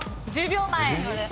１０秒前。